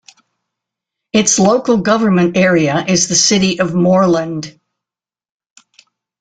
Its local government area is the City of Moreland.